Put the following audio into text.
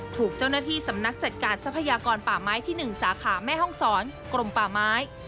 ถูกเจ้าหน้าที่สำนักจัดการทรัพยากรป่าไม้ที่๑สาขาแม่ห้องศรกรมป่าไม้